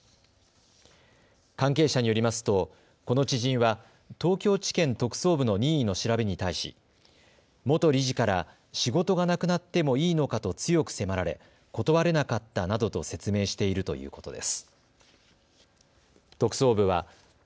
関係者によりますとこの知人は東京地検特捜部の任意の調べに対し元理事から仕事がなくなってもいいのかと強く迫られ断れなかったなどと説明しているということです。